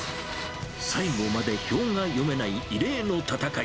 最後まで票が読めない異例の戦い。